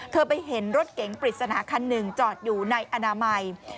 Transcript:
ไปเห็นรถเก๋งปริศนาคันหนึ่งจอดอยู่ในอนามัย